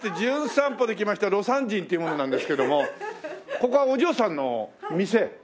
ここはお嬢さんの店？